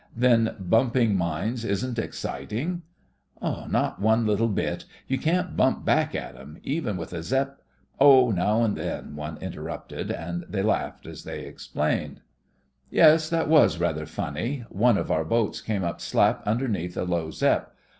"Then bumping mines isn't excit ing?" "Not one little bit. You can't bump back at 'em. Even with a Zepp " "Oh, now and then," one inter rupted, and they laughed as they explained. 76 THE FRINGES OP THE FLEET "Yes, that was rather funny. One of our boats came up slap underneath a low Zepp.